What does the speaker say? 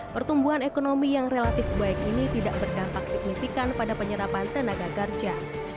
pertumbuhan ekonomi yang relatif baik ini tidak berdampak signifikan pada penyerapan tenaga kerja